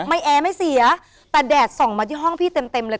แอร์ไม่เสียแต่แดดส่องมาที่ห้องพี่เต็มเต็มเลย